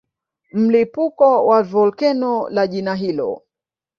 Mlipuko wa volkeno la jina hilo